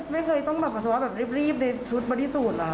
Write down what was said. ไม่เคยต้องแบบปัสสาวะแบบรีบในชุดบอดี้สูตรเหรอ